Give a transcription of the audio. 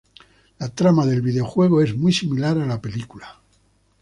La trama del videojuego es muy similar a la película.